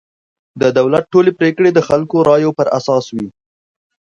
د دولت ټولې پرېکړې د خلکو رایو پر اساس وي.